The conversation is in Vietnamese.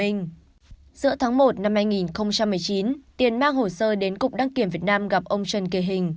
giữa tháng một năm hai nghìn một mươi chín tiền mang hồ sơ đến cục đăng kiểm việt nam gặp ông trần kỳ hình